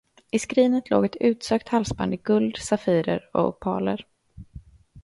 I skrinet låg ett utsökt halsband i guld, safirer och opaler.